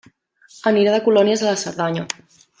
Anirà de colònies a la Cerdanya.